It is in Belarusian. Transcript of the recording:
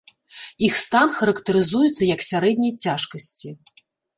Іх стан характарызуецца як сярэдняй цяжкасці.